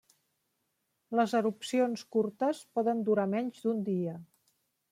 Les erupcions curtes poden durar menys d'un dia.